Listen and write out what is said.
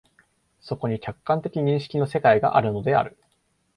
そこに客観的認識の世界があるのである。